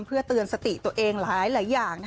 เพื่อเตือนสติตัวเองหลายอย่าง